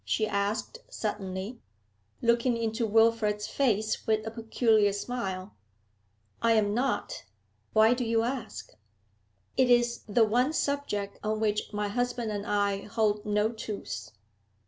she asked suddenly, looking into Wilfrid's face with a peculiar smile. 'I am not. Why do you ask?' 'It is the one subject on which my husband and I hold no truce.